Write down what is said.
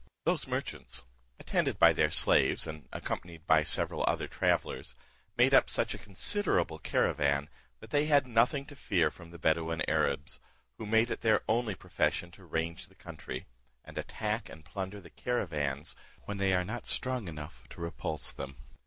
Those merchants, attended by their slaves, and accompanied by several other travellers, made up such a considerable caravan, that they had nothing to fear from the Bedouin Arabs, who make it their only profession to range the country; and attack and plunder the caravans when they are not strong enough to repulse them.